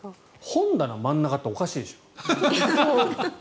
本棚真ん中っておかしいでしょ。